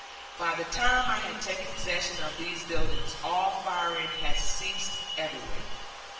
By the time I had taken possession of these buildings all firing had ceased everywhere.